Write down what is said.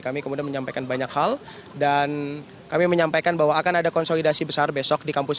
kami kemudian menyampaikan banyak hal dan kami menyampaikan bahwa akan ada konsolidasi besar besok di kampus